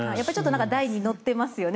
台に乗ってますよね。